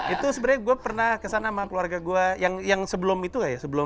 itu sebenarnya gue pernah kesana sama keluarga gue yang sebelum itu gak ya